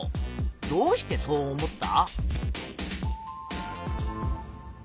どうしてそう思った？